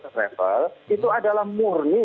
travel itu adalah murni